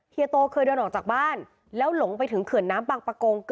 เฮีโตเคยเดินออกจากบ้านแล้วหลงไปถึงเขื่อนน้ำบางประกง